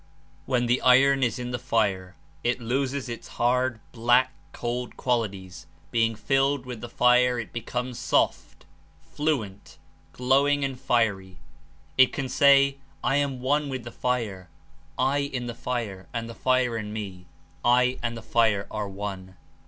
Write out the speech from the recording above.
When the iron is in the fire it loses its hard, black, cold qualities; being filled with the fire it becomes soft, fluent, glowing and fiery. It can Immortality say, *'I am onc with the fire, I in the fire, and the fire in me, I and the lire are one!"